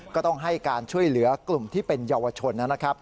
ก็ต้องให้การช่วยเหลือกลุ่มที่เป็นเยาวชนนะครับ